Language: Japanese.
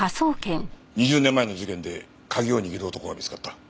２０年前の事件で鍵を握る男が見つかった。